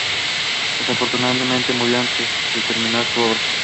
Desafortunadamente murió antes de terminar su obra.